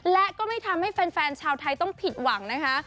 และก็ไม่ทำให้แฟนชาวไทยต้องผิดหวังนะคะ